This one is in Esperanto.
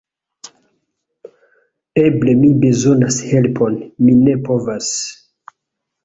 Eble mi bezonas helpon... mi ne povas...